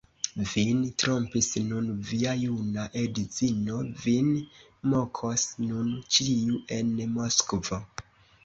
Vin trompis nun via juna edzino, vin mokos nun ĉiu en Moskvo!